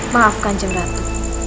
maafkan kanjeng ratu